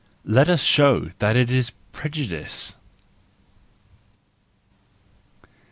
Let us show that it is prejudice!